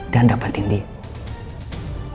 dan dapetin dia